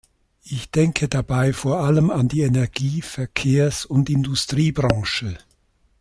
Ich denke dabei vor allem an die Energie-, Verkehrs- und Industriebranche.